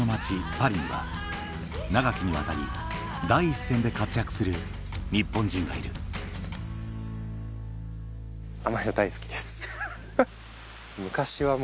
パリには長きにわたり第一線で活躍する日本人がいるあ！